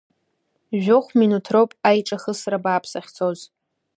Жәохә минуҭ роуп аиҿахысра бааԥс ахьцоз.